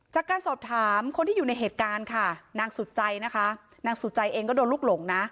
จากการสอบถามคนที่อยู่ในเหตุการณ์ค่ะนางสุดใจนะคะนางสุจัยเองก็โดนลูกหลงนะ